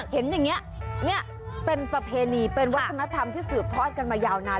เห็นอย่างนี้นี่เป็นประเพณีเป็นวัฒนธรรมที่สืบทอดกันมายาวนาน